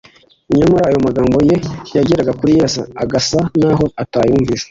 nyamara ayo magambo ye yageraga kuri yesu agasa n’aho atayumvise